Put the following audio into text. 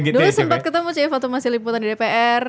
dulu sempat ketemu chief atau masih liputan di dpr